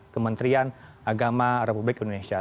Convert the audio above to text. kementerian agama republik indonesia